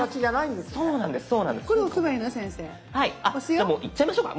じゃあもういっちゃいましょうか。